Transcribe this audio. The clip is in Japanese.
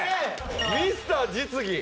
ミスター実技！